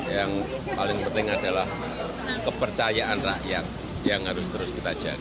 yang paling penting adalah kepercayaan rakyat yang harus terus kita jaga